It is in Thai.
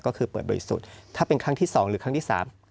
ก็คือเปิดโดยสุดถ้าเป็นครั้งที่สองหรือครั้งที่สาม